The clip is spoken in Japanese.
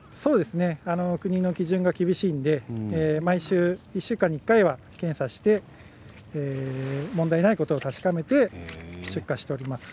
国の基準が厳しいので１週間に１回は検査して問題ないことを確かめて出荷しております。